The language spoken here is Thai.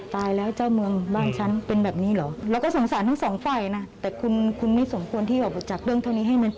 แต่ก็ต้องบอกว่าติดงาน